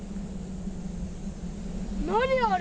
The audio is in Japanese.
何あれ！